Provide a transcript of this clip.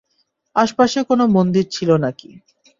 আশেপাশে কোনো মন্দির ছিল নাকি?